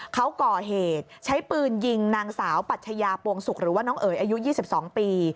เขาก่อเหตุใช้ปืนยิงนางสาวปัชญาปวงศุกร์หรือว่าน้องเอ๋ยอายุ๒๒ปี